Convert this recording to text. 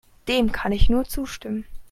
Dem kann ich nur zustimmen.